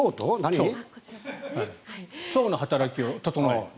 腸の働きを整える。